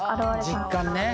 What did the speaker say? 実感ね。